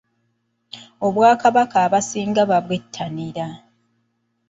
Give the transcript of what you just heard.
Obwakabaka abasinga babwettanira